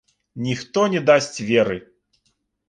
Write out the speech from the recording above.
Ніхто не дасць веры.